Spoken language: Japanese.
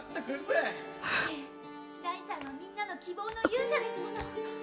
ええダイさんはみんなの希望の勇者ですもの！